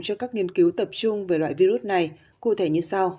cho các nghiên cứu tập trung về loại virus này cụ thể như sau